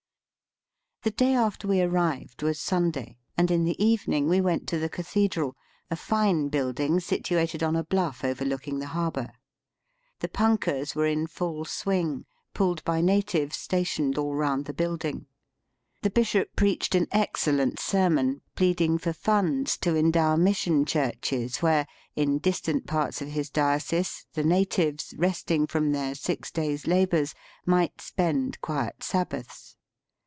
The day after we arrived was Sunday, and in the evening we went to the cathedral, a fine building situated on a bluff overlooking the harbour. The punkahs were in full swing, pulled by natives stationed all round the building. The bishop preached an excellent sermon, pleading for funds to endow mission churches Where, in distant parts of his diocese, the natives, resting from their six days' labours, might spend quiet sabbaths.